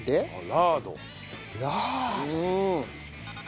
ラード。